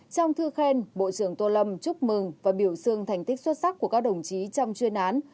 trong thư khen bộ trưởng tô lâm chúc mừng và biểu xương thành tích xuất sắc của các đồng chí trong chuyên án